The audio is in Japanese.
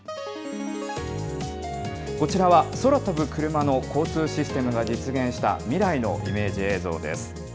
こちらは、空飛ぶクルマの交通システムが実現した未来のイメージ映像です。